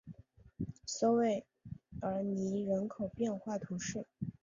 索韦尔尼人口变化图示